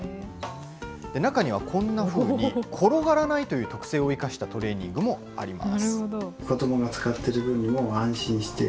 中にはこんなふうに、転がらないという特性を生かしたトレーニングもあります。